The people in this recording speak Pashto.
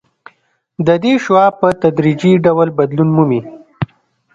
د دې شعاع په تدریجي ډول بدلون مومي